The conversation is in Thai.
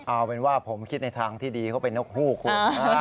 เอาเป็นว่าผมคิดในทางที่ดีเขาเป็นนกฮูกคุณ